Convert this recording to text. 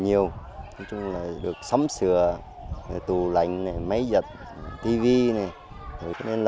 nhiều sống sửa tù lạnh máy giật tivi